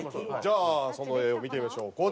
じゃあその絵を見てみましょう。